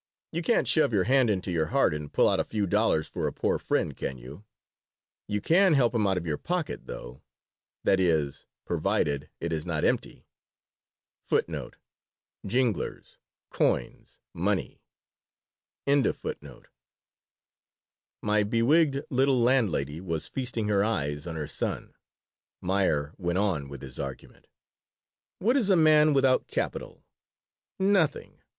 You can't shove your hand into your heart and pull out a few dollars for a poor friend, can you? You can help him out of your pocket, though that is, provided it is not empty." My bewigged little landlady was feasting her eyes on her son Meyer went on with his argument: "What is a man without capital? Nothing!